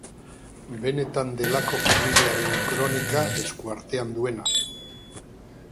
Benetan delako familiaren kronika eskuartean duena.